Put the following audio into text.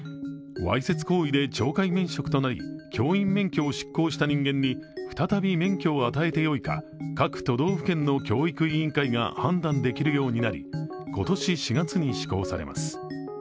わいせつ行為で懲戒免職となり、教員免許を失効した人間に再び免許を与えてよいか、各都道府県の教育委員会が判断できるようになり、今年４月に施行されます。